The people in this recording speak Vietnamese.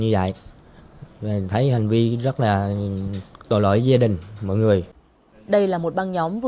để tiếp tục làm sao